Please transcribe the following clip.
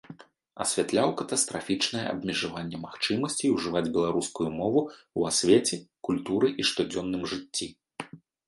Асвятляў катастрафічнае абмежаванне магчымасцей ужываць беларускую мову ў асвеце, культуры і штодзённым жыцці.